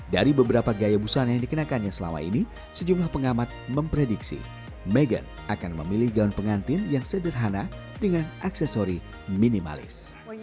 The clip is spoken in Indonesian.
dari beberapa gaya busana yang dikenakannya selama ini sejumlah pengamat memprediksi meghan akan memilih gaun pengantin yang sederhana dengan aksesori minimalis